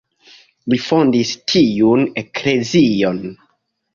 Li fondis tiun eklezion.